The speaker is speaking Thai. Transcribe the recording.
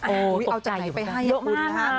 โอ้ยเอาใจไปให้คุณค่ะ